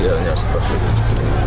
ideanya seluruh indonesia